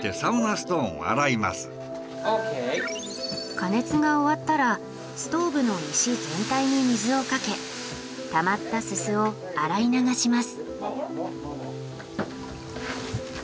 加熱が終わったらストーブの石全体に水をかけたまったすすを洗い流します。